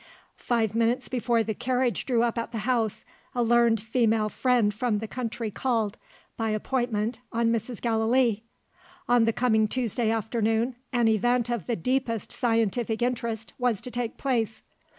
Five minutes before the carriage drew up at the house, a learned female friend from the country called, by appointment, on Mrs. Gallilee. On the coming Tuesday afternoon, an event of the deepest scientific interest was to take place.